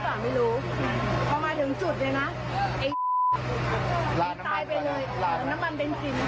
ผมก็ไม่จุดไฟครับ